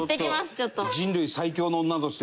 ちょっと。